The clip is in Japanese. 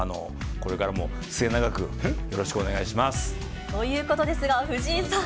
これからも末永くよろしくお願いということですが、藤井さん。